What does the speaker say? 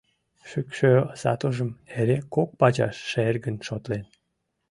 Шӱкшӧ сатужым эре кок пачаш шергын шотлен.